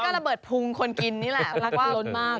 หรือระเบิดพรุงคนกินนี่แหละ